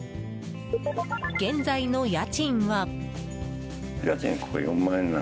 現在の家賃は。